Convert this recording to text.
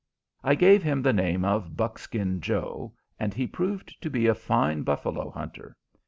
I gave him the name of "Buckskin Joe," and he proved to be a fine buffalo hunter.